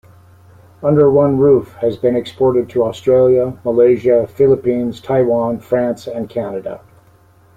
"Under One Roof" has been exported to Australia, Malaysia, Philippines, Taiwan, France and Canada.